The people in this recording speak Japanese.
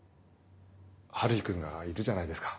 悠日君がいるじゃないですか。